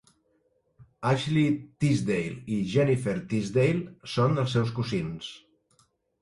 Ashley Tisdale i Jennifer Tisdale són els seus cosins.